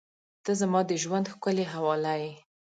• ته زما د ژونده ښکلي حواله یې.